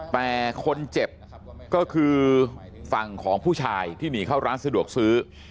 แต่คนเจ็บก็คือฝั่งของผู้ชายที่หนีเข้าร้านสะดวกซื้อ